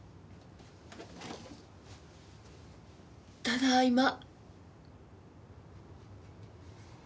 ただいま。